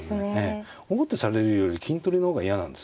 王手されるより金取りの方が嫌なんですよ